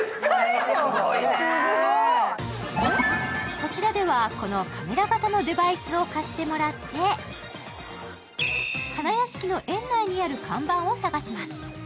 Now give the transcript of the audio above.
こちらではこのカメラ型のデバイスを貸してもらって花やしきの園内にある看板を探します。